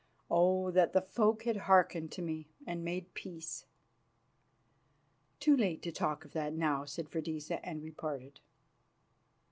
"Oh, that the folk had hearkened to me and made peace!" "Too late to talk of that now," said Freydisa, and we parted.